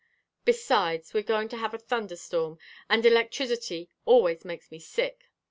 Besides, we're going to have a thunder storm, and electricity always makes me sick.